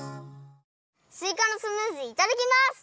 すいかのスムージーいただきます！